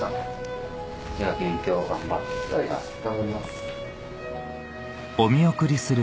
じゃあ勉強頑張ってください。